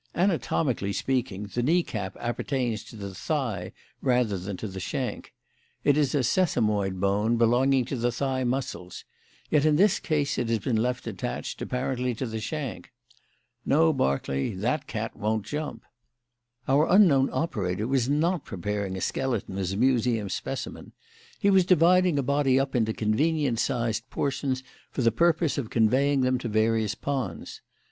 Anatomically speaking, the knee cap appertains to the thigh rather than to the shank. It is a sesamoid bone belonging to the thigh muscles; yet in this case it has been left attached, apparently, to the shank. No, Berkeley, that cat won't jump. Our unknown operator was not preparing a skeleton as a museum specimen; he was dividing a body up into convenient sized portions for the purpose of conveying them to various ponds.